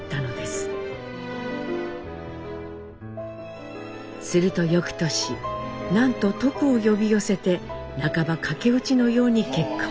するとよくとしなんとトクを呼び寄せて半ば駆け落ちのように結婚。